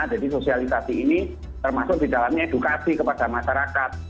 jadi sosialisasi ini termasuk di dalamnya edukasi kepada masyarakat